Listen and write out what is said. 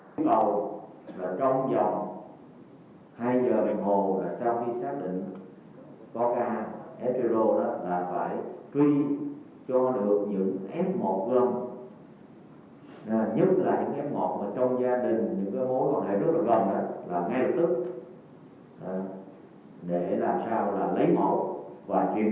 để làm sao là lấy mẫu và truyền các lực tập trung